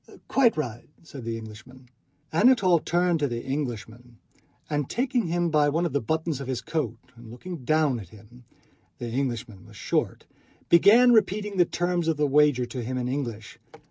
"Quite right," said the Englishman. Anatole turned to the Englishman and taking him by one of the buttons of his coat and looking down at him—the Englishman was short—began repeating the terms of the wager to him in English.